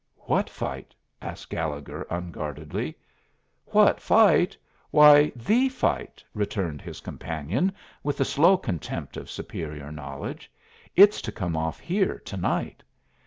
"What fight?" asked Gallegher, unguardedly. "What fight? Why, the fight," returned his companion, with the slow contempt of superior knowledge. "It's to come off here to night.